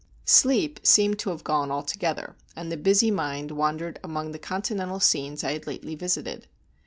Sleep seemed to have gone altogether, and the busy mind wandered among the continental scenes I had lately visited.